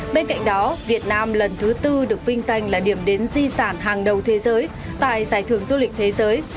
bên cạnh đó việt nam lần thứ tư được vinh danh là điểm đến di sản hàng đầu thế giới tại giải thưởng du lịch thế giới